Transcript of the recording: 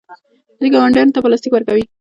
دوی ګاونډیانو ته پلاستیک ورکوي.